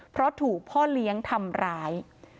เพราะถูกพ่อเลี้ยงทำร้าย